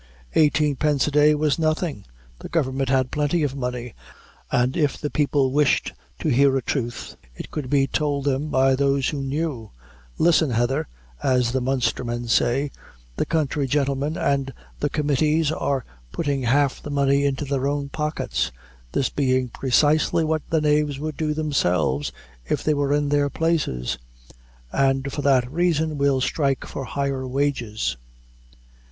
"Eighteen pence a day was nothing; the government had plenty of money, and if the people wished to hear a truth, it could be tould them by those who knew listen hether" as the Munster men say "the country gentlemen and the committees are putting half the money into their own pockets" this being precisely what the knaves would do themselves if they were in their places "and for that reason we'll strike for higher wages."